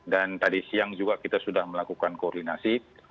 dan tadi siang juga kita sudah melakukan koordinasi